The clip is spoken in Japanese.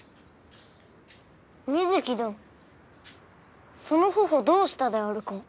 美月どのその頬どうしたであるか？